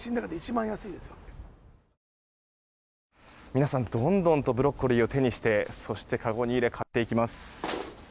皆さん、どんどんとブロッコリーを手にしてそしてかごに入れ買っていきます。